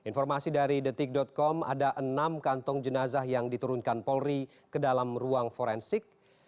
pada saat ini di dalam ruang forensik ada enam kantong jenazah yang diturunkan polri ke dalam ruang forensik